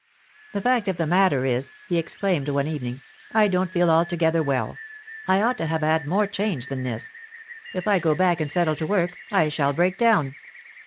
"The fact of the matter is," he exclaimed one evening, "I don't feel altogether well! I ought to have had more change than this. If I go back and settle to work, I shall break down."